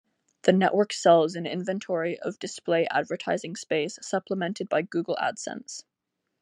The network sells an inventory of display advertising space supplemented by Google AdSense.